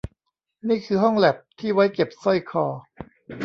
นี่คือห้องแลปที่ไว้เก็บสร้อยคอ